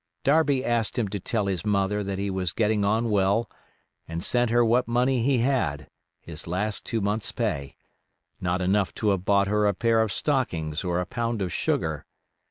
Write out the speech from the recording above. Darby asked him to tell his mother that he was getting on well, and sent her what money he had—his last two months' pay—not enough to have bought her a pair of stockings or a pound of sugar.